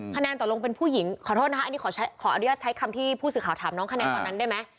คะแนนตกลงเป็นผู้หญิงขอโทษนะคะอันนี้ขออนุญาตใช้คำที่ผู้สื่อข่าวถามน้องคะแนนตอนนั้นได้ไหม